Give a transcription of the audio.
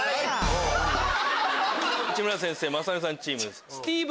内村先生・雅紀さんチーム。